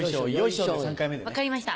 分かりました。